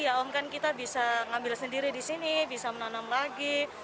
ya om kan kita bisa ngambil sendiri di sini bisa menanam lagi